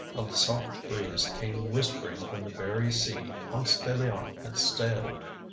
A soft breeze came whispering from the very sea Ponce de Leon had sailed.